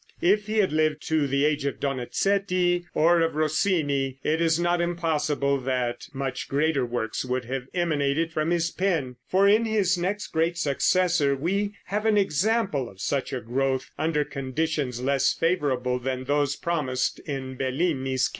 If he had lived to the age of Donizetti or of Rossini it is not impossible that much greater works would have emanated from his pen, for in his next great successor we have an example of such a growth under conditions less favorable than those promised in Bellini's case.